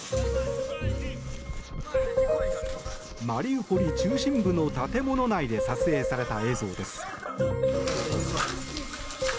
マリウポリ中心部の建物内で撮影された映像です。